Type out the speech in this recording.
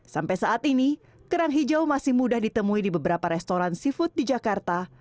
sampai saat ini kerang hijau masih mudah ditemui di beberapa restoran seafood di jakarta